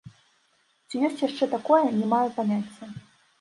Ці ёсць яшчэ такое, не маю паняцця.